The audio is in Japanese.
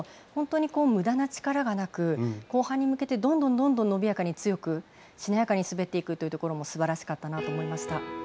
本当にむだな力がなく後半に向けてどんどん伸びやかに強くしなやかに滑っていくというところもすばらしかったなと思いました。